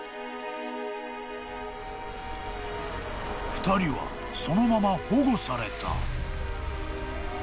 ［２人はそのまま保護された］